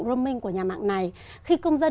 roaming của nhà mạng này khi công dân